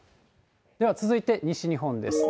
では続いて西日本です。